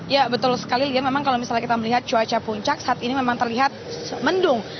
ya betul sekali lia memang kalau misalnya kita melihat cuaca puncak saat ini memang terlihat mendung